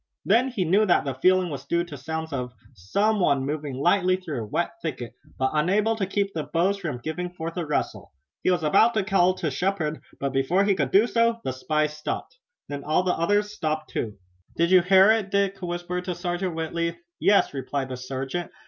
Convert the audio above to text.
Then he knew that the feeling was due to sounds as of someone moving lightly through a wet thicket, but unable to keep the boughs from giving forth a rustle. He was about to call to Shepard, but before he could do so the spy stopped. Then all the others stopped also. "Did you hear it?" Dick whispered to Sergeant Whitley. "Yes," replied the sergeant.